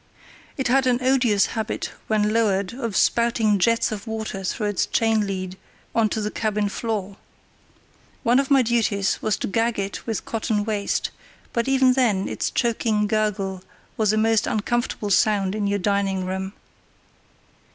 It had an odious habit when lowered of spouting jets of water through its chain lead on to the cabin floor. One of my duties was to gag it with cotton waste, but even then its choking gurgle was a most uncomfortable sound in your dining room.